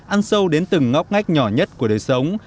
ăn sâu đến từng ngóc ngách nhỏ nhất của đời sống